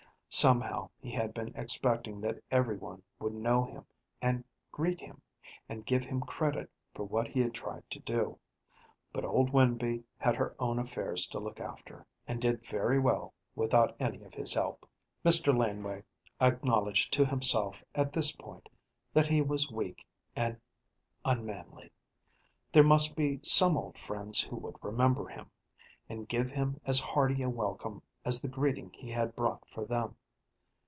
Somehow he had been expecting that every one would know him and greet him, and give him credit for what he had tried to do, but old Winby had her own affairs to look after, and did very well without any of his help. Mr. Laneway acknowledged to himself at this point that he was weak and unmanly. There must be some old friends who would remember him, and give him as hearty a welcome as the greeting he had brought for them.